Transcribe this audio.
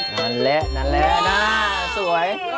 นั่นแหละนั่นแหละหน้าสวย